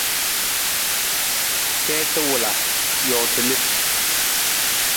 Tiita wala, joota lem.